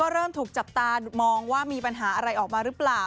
เริ่มถูกจับตามองว่ามีปัญหาอะไรออกมาหรือเปล่า